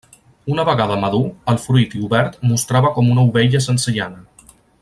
Una vegada madur el fruit i obert mostrava com una ovella sense llana.